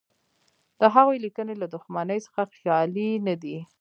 د هغوی لیکنې له دښمنۍ څخه خالي نه دي.